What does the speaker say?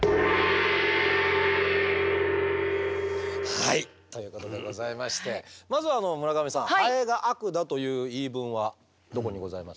はいということでございましてまずは村上さんハエが悪だという言い分はどこにございますでしょう？